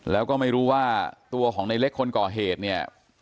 แล้วก็ไม่รู้ว่าตัวของในเล็กคนก่อเหตุเนี่ย